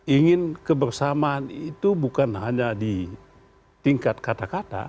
ingin kebersamaan itu bukan hanya di tingkat kata kata